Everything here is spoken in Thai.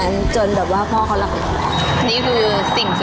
นี่คือ